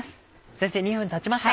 先生２分たちました。